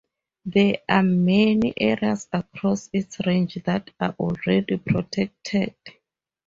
There are many areas across its range that are already protected.